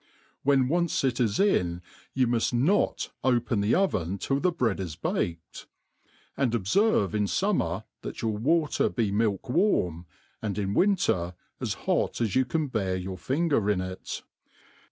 When once it is in^ you muft not open the oven till the bread is baked ; and ob ferve in fummer that your water be milk warm, and in winter as hot as you can bear your finger in it.